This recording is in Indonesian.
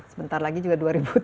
sebentar lagi juga dua ribu dua puluh